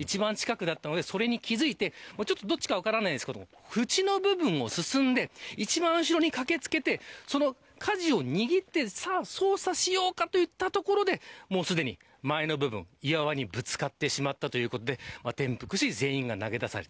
一番近くだったのでそれに気付いて縁の部分を進んで一番後ろに駆けつけてかじを握って操作しようかといったところですでに前の部分が岩にぶつかってしまったということで転覆し、全員が投げ出された。